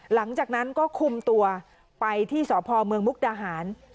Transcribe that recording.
หลังจากนั้นก็คุมตัวไปที่สพเมืองมุกดาหาร